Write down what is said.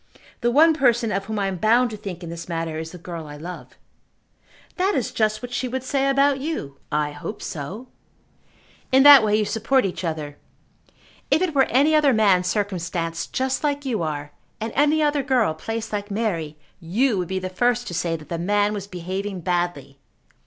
The one person of whom I am bound to think in this matter is the girl I love." "That is just what she would say about you." "I hope so." "In that way you support each other. If it were any other man circumstanced just like you are, and any other girl placed like Mary, you would be the first to say that the man was behaving badly.